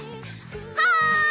はい！